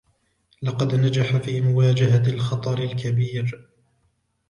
لقد نجح في مواجهة الخطر الكبير.